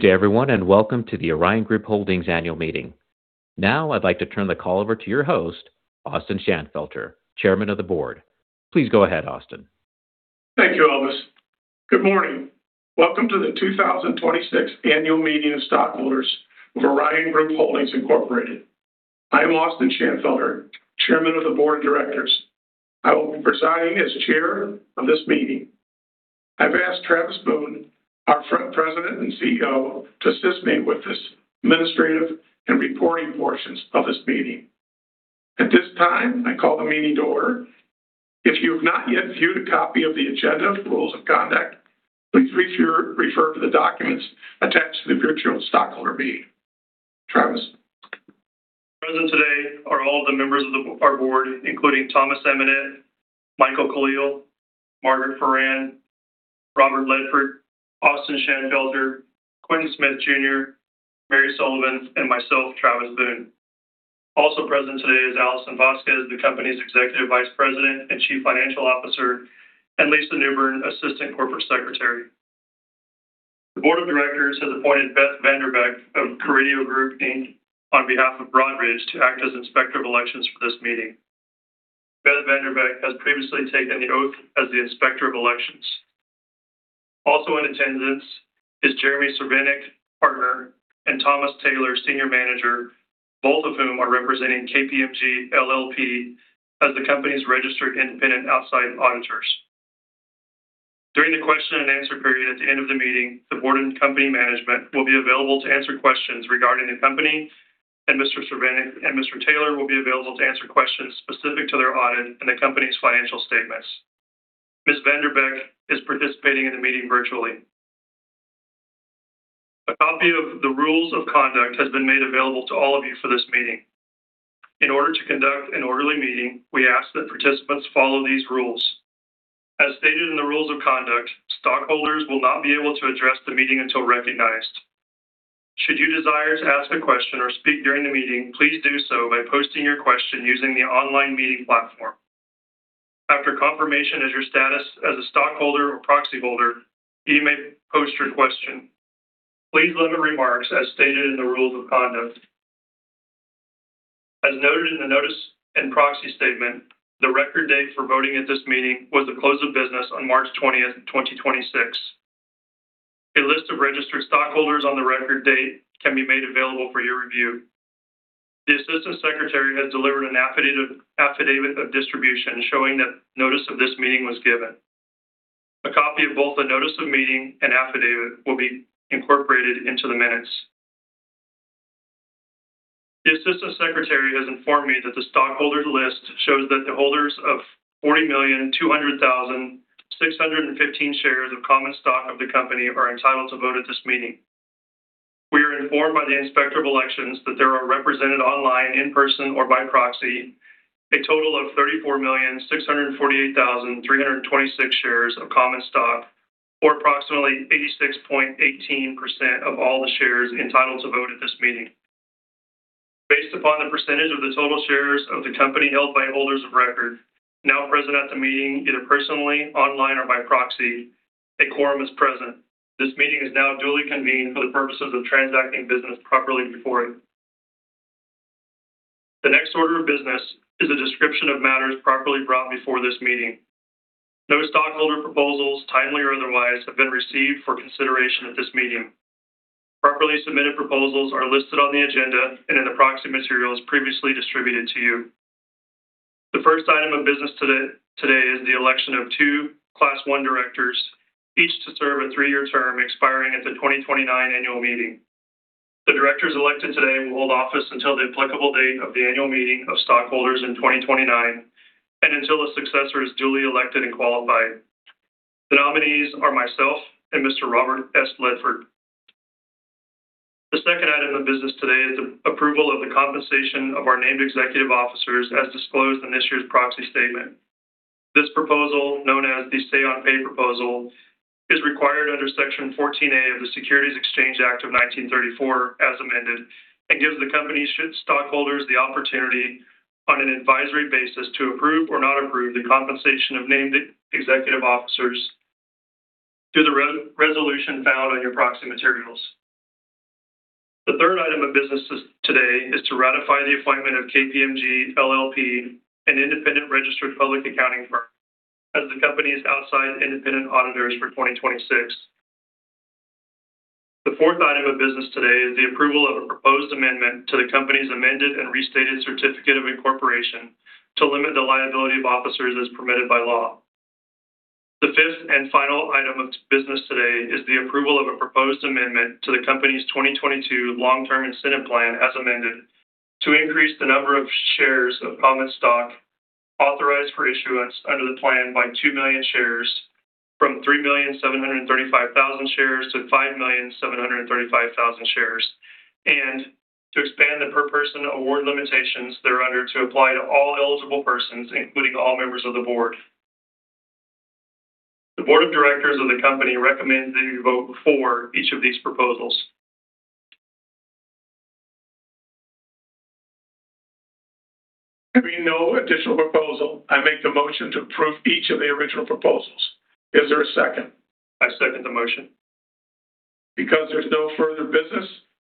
Good day everyone, and welcome to the Orion Group Holdings Annual Meeting. Now I'd like to turn the call over to your host, Austin Shanfelter, Chairman of the Board. Please go ahead, Austin. Thank you, Elvis. Good morning. Welcome to the 2026 Annual Meeting of Stockholders of Orion Group Holdings, Inc. I am Austin Shanfelter, Chairman of the Board of Directors. I will be presiding as Chair of this meeting. I've asked Travis Boone, our President and Chief Executive Officer, to assist me with this administrative and reporting portions of this meeting. At this time, I call the meeting to order. If you have not yet viewed a copy of the agenda rules of conduct, please refer to the documents attached to the virtual stockholder meeting. Travis. Present today are all the members of our board, including Thomas Amonett, Michael Caliel, Margaret Foran, Robert Ledford, Austin Shanfelter, Quentin P. Smith, Jr., Mary Sullivan, and myself, Travis Boone. Also present today is Alison Vasquez, the company's Executive Vice President and Chief Financial Officer, and Lisa Newbern, Assistant Corporate Secretary. The Board of Directors has appointed Beth VanDerbeck of The Carideo Group on behalf of Broadridge to act as Inspector of Elections for this meeting. Beth VanDerbeck has previously taken the oath as the Inspector of Elections. Also in attendance is Jeremy Cervenec, partner, and Thomas Taylor, senior manager, both of whom are representing KPMG LLP as the company's registered independent outside auditors. During the question and answer period at the end of the meeting, the board and company management will be available to answer questions regarding the company, and Mr. Cervenec and Mr. Taylor will be available to answer questions specific to their audit and the company's financial statements. Ms. VanDerbeck is participating in the meeting virtually. A copy of the rules of conduct has been made available to all of you for this meeting. In order to conduct an orderly meeting, we ask that participants follow these rules. As stated in the rules of conduct, stockholders will not be able to address the meeting until recognized. Should you desire to ask a question or speak during the meeting, please do so by posting your question using the online meeting platform. After confirmation as your status as a stockholder or proxy holder, you may post your question. Please limit remarks as stated in the rules of conduct. As noted in the notice and Proxy Statement, the record date for voting at this meeting was the close of business on March 20th, 2026. A list of registered stockholders on the record date can be made available for your review. The assistant secretary has delivered an affidavit of distribution showing that notice of this meeting was given. A copy of both the notice of meeting and affidavit will be incorporated into the minutes. The assistant secretary has informed me that the stockholders list shows that the holders of 40,200,615 shares of common stock of the company are entitled to vote at this meeting. We are informed by the Inspector of Elections that there are represented online, in person or by proxy, a total of 34,648,326 shares of common stock, or approximately 86.18% of all the shares entitled to vote at this meeting. Based upon the percentage of the total shares of the company held by holders of record now present at the meeting, either personally, online or by proxy, a quorum is present. This meeting is now duly convened for the purposes of transacting business properly before it. The next order of business is a description of matters properly brought before this meeting. No stockholder proposals, timely or otherwise, have been received for consideration at this meeting. Properly submitted proposals are listed on the agenda and in the Proxy Materials previously distributed to you. The first item of business today is the election of two Class I Directors, each to serve a three-year term expiring at the 2029 Annual Meeting. The directors elected today will hold office until the applicable date of the Annual Meeting of stockholders in 2029 and until a successor is duly elected and qualified. The nominees are myself and Mr. Robert S. Ledford. The second item of business today is the approval of the compensation of our named executive officers as disclosed in this year's Proxy Statement. This proposal, known as the Say-on-Pay proposal, is required under Section 14A of the Securities Exchange Act of 1934 as amended, and gives the company stockholders the opportunity on an advisory basis to approve or not approve the compensation of named executive officers through the resolution found on your Proxy Materials. The third item of business today is to ratify the appointment of KPMG LLP, an independent registered public accounting firm, as the company's outside independent auditors for 2026. The fourth item of business today is the approval of a proposed amendment to the company's amended and restated certificate of incorporation to limit the liability of officers as permitted by law. The fifth and final item of business today is the approval of a proposed amendment to the company's 2022 long-term incentive plan as amended to increase the number of shares of common stock authorized for issuance under the plan by 2 million shares from 3,735,000 shares to 5,735,000 shares and to expand the per person award limitations thereunder to apply to all eligible persons, including all members of the board. The board of directors of the company recommends that you vote for each of these proposals. There being no additional proposal, I make the motion to approve each of the original proposals. Is there a second? I second the motion. Because there's no further business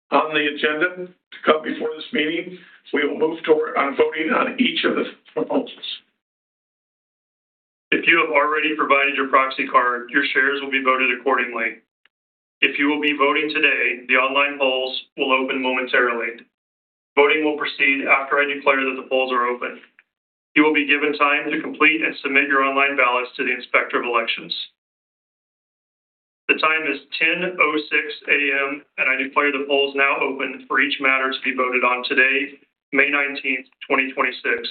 on the agenda to come before this meeting, we will move on voting on each of the proposals. If you have already provided your proxy card, your shares will be voted accordingly. If you will be voting today, the online polls will open momentarily. Voting will proceed after I declare that the polls are open. You will be given time to complete and submit your online ballots to the Inspector of Elections. The time is 10:06 A.M., and I declare the polls now open for each matter to be voted on today, May 19th, 2026.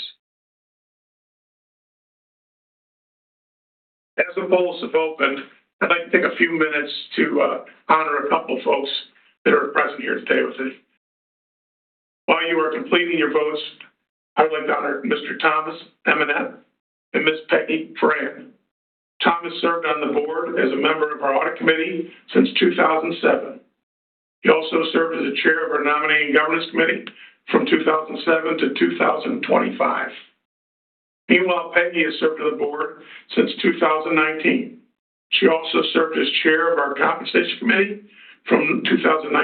As the polls have opened, I'd like to take a few minutes to honor a couple of folks that are present here today with me. While you are completing your votes, I would like to honor Mr. Thomas Amonett and Ms. Margaret Foran. Thomas served on the Board as a Member of our Audit Committee since 2007. He also served as the Chair of our Nominating & Governance Committee from 2007 to 2025. Meanwhile, Margaret has served on the Board since 2019. She also served as Chair of our Compensation Committee from 2019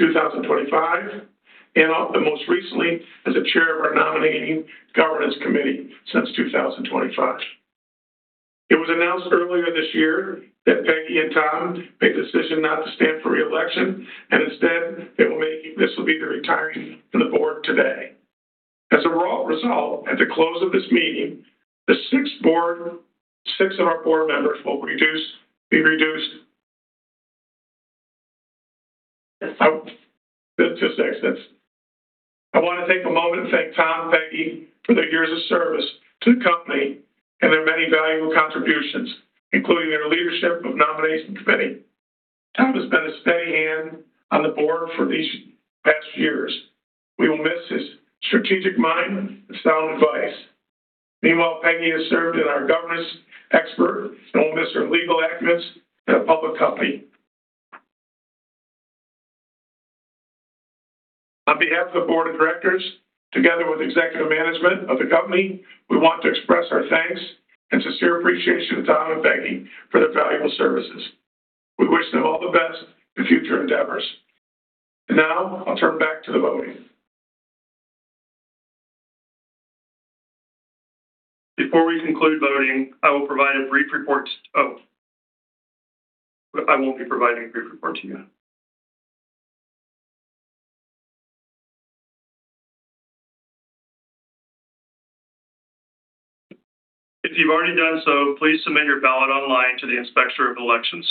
to 2025, and most recently as a Chair of our Nominating & Governance Committee since 2025. It was announced earlier this year that Peggy and Tom made the decision not to stand for re-election. Instead, this will be their retiring from the board today. As a result, at the close of this meeting, the six of our board members will be reduced. I want to take a moment to thank Tom and Peggy for their years of service to the company and their many valuable contributions, including their leadership of Nominating & Governance Committee. Tom has been a steady hand on the board for these past years. We will miss his strategic mind and sound advice. Meanwhile, Peggy has served as our Governance Expert. We will miss her legal acumen in a public company. On behalf of the board of directors, together with executive management of the company, we want to express our thanks and sincere appreciation to Tom and Peggy for their valuable services. We wish them all the best in future endeavors. Now, I'll turn back to the voting. Before we conclude voting, I will provide a brief report. Oh. I won't be providing a brief report to you. If you've already done so, please submit your ballot online to the Inspector of Elections.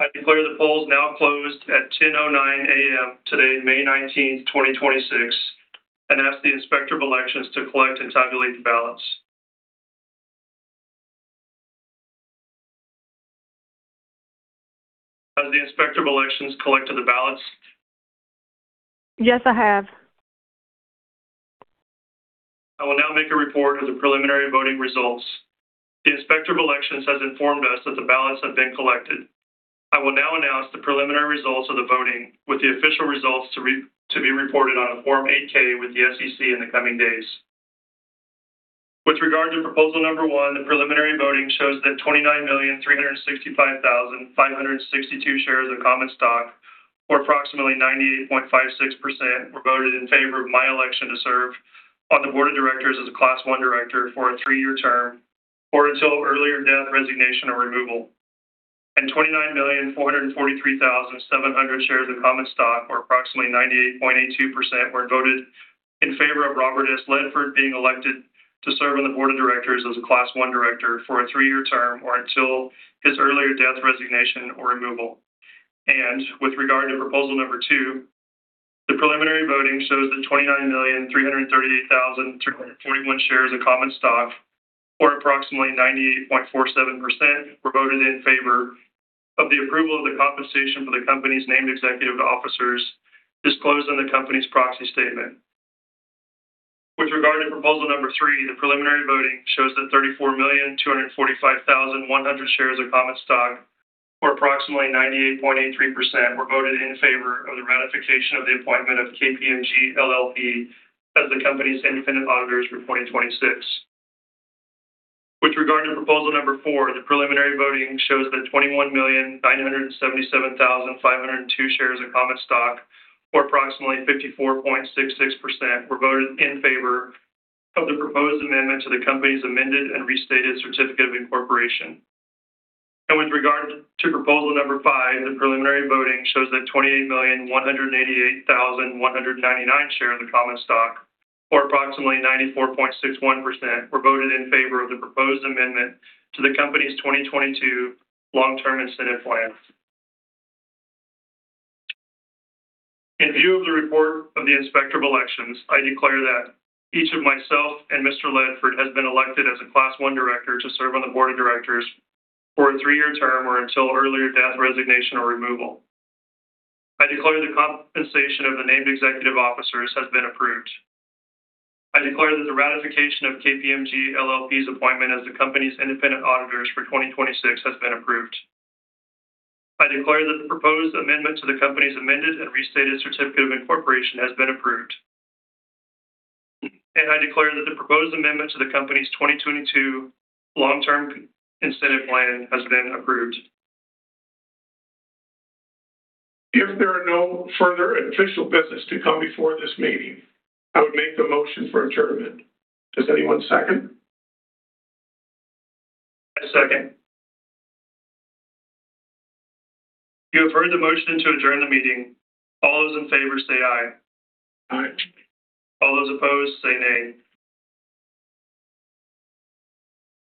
I declare the polls now closed at 10:09 A.M. today, May 19th, 2026, and ask the Inspector of Elections to collect and tabulate the ballots. Has the Inspector of Elections collected the ballots? Yes, I have. I will now make a report of the preliminary voting results. The Inspector of Elections has informed us that the ballots have been collected. I will now announce the preliminary results of the voting with the official results to be reported on a Form 8-K with the SEC in the coming days. With regard to Proposal Number 1, the preliminary voting shows that 29,365,562 shares of common stock, or approximately 98.56%, were voted in favor of my election to serve on the board of directors as a Class I Director for a three-year term or until earlier death, resignation, or removal. 29,443,700 shares of common stock, or approximately 98.82%, were voted in favor of Robert S. Ledford being elected to serve on the board of directors as a Class I Director for a three-year term or until his earlier death, resignation, or removal. With regard to Proposal Number 2, the preliminary voting shows that 29,338,341 shares of common stock, or approximately 98.47%, were voted in favor of the approval of the compensation for the company's named executive officers disclosed on the company's Proxy Statement. With regard to Proposal Number 3, the preliminary voting shows that 34,245,100 shares of common stock, or approximately 98.83%, were voted in favor of the ratification of the appointment of KPMG LLP as the company's independent auditors for 2026. With regard to Proposal Number 4, the preliminary voting shows that 21,977,502 shares of common stock, or approximately 54.66%, were voted in favor of the proposed amendment to the company's amended and restated certificate of incorporation. With regard to Proposal Number 5, the preliminary voting shows that 28,188,199 shares of the common stock, or approximately 94.61%, were voted in favor of the proposed amendment to the company's 2022 long-term incentive plan. In view of the report of the Inspector of Elections, I declare that each of myself and Mr. Ledford has been elected as a Class I Director to serve on the board of directors for a three-year term or until earlier death, resignation, or removal. I declare the compensation of the named executive officers has been approved. I declare that the ratification of KPMG LLP's appointment as the company's independent auditors for 2026 has been approved. I declare that the proposed amendment to the company's amended and restated certificate of incorporation has been approved. I declare that the proposed amendment to the company's 2022 long-term incentive plan has been approved. If there are no further official business to come before this meeting, I would make a motion for adjournment. Does anyone second? I second. You have heard the motion to adjourn the meeting. All those in favor, say aye. Aye. All those opposed, say nay.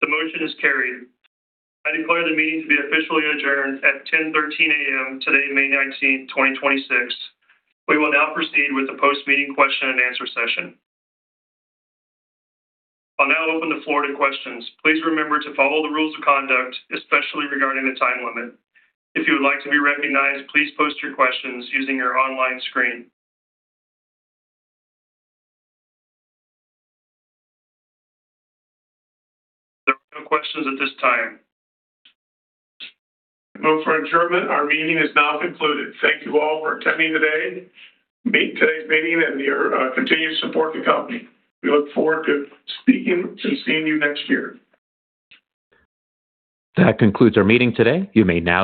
The motion is carried. I declare the meeting to be officially adjourned at 10:13 A.M. today, May 19, 2026. We will now proceed with the post-meeting question and answer session. I'll now open the floor to questions. Please remember to follow the rules of conduct, especially regarding the time limit. If you would like to be recognized, please post your questions using your online screen. There are no questions at this time. Move for adjournment. Our meeting is now concluded. Thank you all for attending today's meeting and your continued support of the company. We look forward to speaking, to seeing you next year. That concludes our meeting today. You may now.